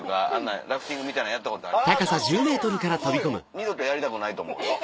二度とやりたくないと思うよ。